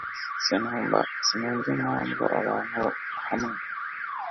sinumva impamvu abantu bamwe